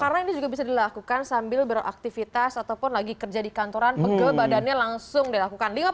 karena ini juga bisa dilakukan sambil beraktivitas ataupun lagi kerja di kantoran pegel badannya langsung dilakukan